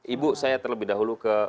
ibu saya terlebih dahulu ke